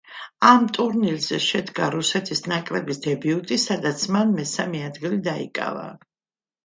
ამ ტურნირზე შედგა რუსეთის ნაკრების დებიუტი, სადაც მან მესამე ადგილი დაიკავა.